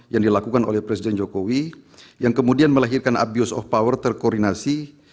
yang dilakukan oleh presiden jokowi yang kemudian melahirkan abuse of power terkoordinasi